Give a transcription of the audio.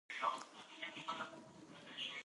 ډاکټره وویل چې په سړو اوبو کې لامبېدل د تنفس چاره راوړي.